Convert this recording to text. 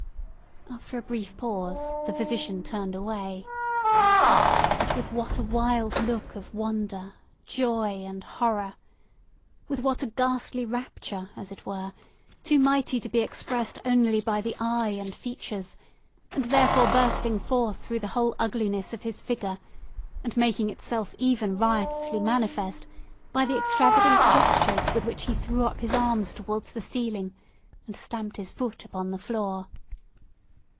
After a brief pause, the physician turned away. But with what a wild look of wonder, joy, and horror! With what a ghastly rapture, as it were, too mighty to be expressed only by the eye and features, and therefore bursting forth through the whole ugliness of his figure, and making itself even riotously manifest by the extravagant gestures with which he threw up his arms towards the ceiling, and stamped his foot upon the floor!